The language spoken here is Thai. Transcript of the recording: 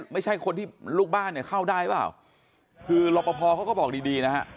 ไม่ใช่คนที่ลูกบ้านเข้าได้ป่าวคือรอบอบพอเขาก็บอกดีนะฮะ